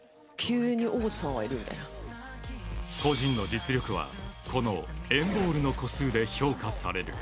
個人の実力はこの＆ＢＡＬＬの個数で評価される。